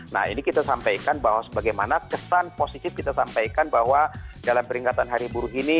nah ini kita sampaikan bahwa sebagaimana kesan positif kita sampaikan bahwa dalam peringatan hari buruh ini